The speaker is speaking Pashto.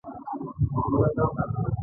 دا د احکامو او هدایت د اخیستلو لپاره دی.